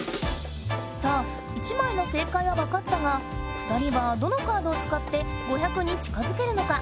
さぁ１まいの正解はわかったが２人はどのカードをつかって５００に近づけるのか？